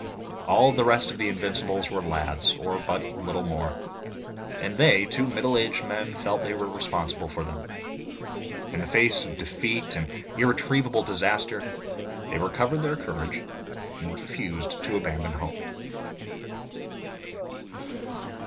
All the rest of the Invincibles were lads, or but little more, and they two middle aged men felt that they were responsible for them. In the face of defeat and irretrievable disaster they recovered their courage, and refused to abandon hope.